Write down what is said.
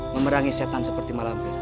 memerangi setan seperti mak lampir